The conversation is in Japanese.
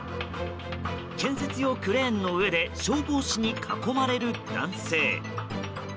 建設用クレーンの上で消防士に囲まれる男性。